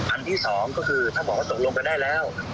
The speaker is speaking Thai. อันที่สองก็คือถ้าบอกว่าตกลงกันได้แล้ว